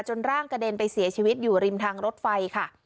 ร่างกระเด็นไปเสียชีวิตอยู่ริมทางรถไฟค่ะ